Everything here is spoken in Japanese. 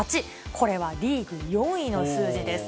これはリーグ４位の数字です。